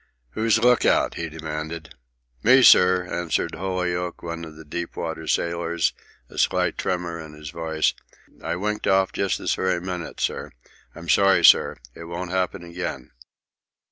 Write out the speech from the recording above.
"Who's look out?" he demanded. "Me, sir," answered Holyoak, one of the deep water sailors, a slight tremor in his voice. "I winked off just this very minute, sir. I'm sorry, sir. It won't happen again."